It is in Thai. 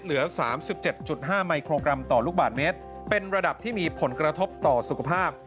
เหลือ๓๗๕มิโครกรัมต่อลูกบาทเมตรเป็นระดับที่มีผลกระทบต่อสุขภาพ